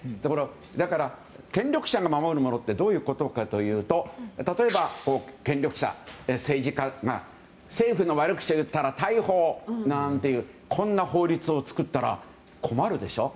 だから、権力者が守るものってどういうことかというと例えば、権力者政治家が政府の悪口を言ったら逮捕なんていう法律を作ったら困るでしょ。